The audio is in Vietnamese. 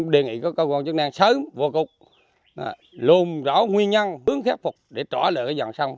đề nghị cơ quan chức năng sớm vô cục luôn rõ nguyên nhân hướng khép phục để trỏ lỡ dòng sông